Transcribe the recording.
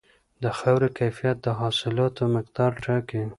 د خاورې کیفیت د حاصلاتو مقدار ټاکي.